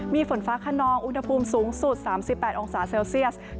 มีฝนฟ้าขนองอุณหภูมิสูงสุด๓๘องศาเซลเซียส